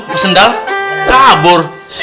pas sendal kabur